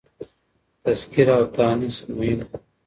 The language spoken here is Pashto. تذکير او تانيث مهم دي.